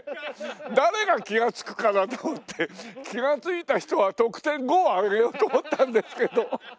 誰が気がつくかなと思って気がついた人は得点５をあげようと思ったんですけど。